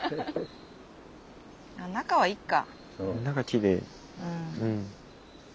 中はいっか。